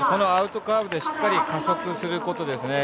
アウトカーブでしっかり加速することです。